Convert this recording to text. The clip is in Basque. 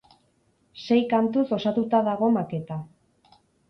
Sei kantuz osatuta dago maketa.